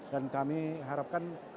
dan kami harapkan